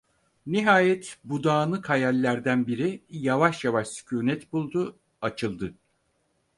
Nihayet bu dağınık hayallerden biri yavaş yavaş sükûnet buldu, açıldı.